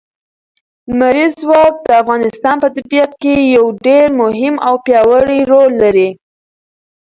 لمریز ځواک د افغانستان په طبیعت کې یو ډېر مهم او پیاوړی رول لري.